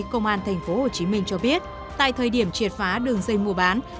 công an tp hcm cho biết tại thời điểm triệt phá đường dây mua bán